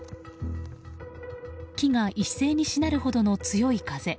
木が一斉にしなるほどの強い風。